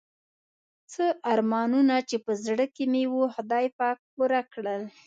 څه ارمانونه چې په زړه کې مې وو خدای پاک پوره کړل.